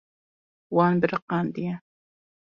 Wan biriqandiye.